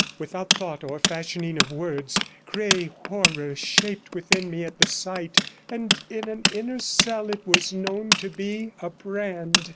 Without thought or fashioning of words grey horror shaped within me at the sight, and in an inner cell it was known to be a brand.